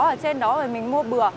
ở trên đó mình mua bừa